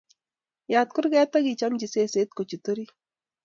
Yat kurget akichamchi seset ko chut orit